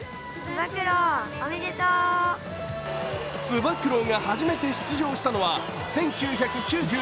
つば九郎が初めて出場したのは１９９４年。